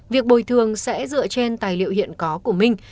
việc bồi thường sẽ dựa trên tài liệu hiện có của minh